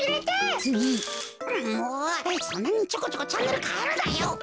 もうそんなにちょこちょこチャンネルかえるなよ。